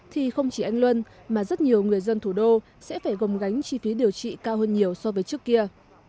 thì không chỉ anh luân mà rất nhiều người dân thủ đô sẽ phải gồng gánh chi phí điều trị cao hơn nhiều so với trước kia